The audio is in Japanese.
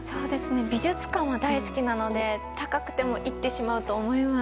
美術館は大好きなので高くても行ってしまうと思います。